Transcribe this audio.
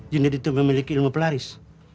gener itu memiliki ilmu pelaris